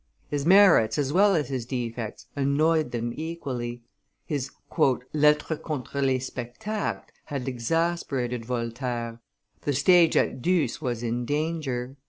His merits as well as his defects annoyed them equally: his "Lettre contre les Spectacles" had exasperated Voltaire, the stage at Deuces as in danger.